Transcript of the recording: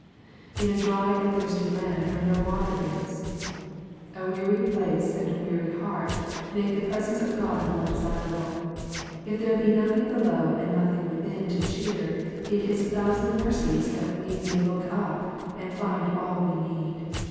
^*In a dry and thirsty land^ where no water is/'' A weary place and a weary heart make the presence of God the more desirable : if there be nothing below and nothing within to cheer, it is a thousand mercies that we may look up and find all we need.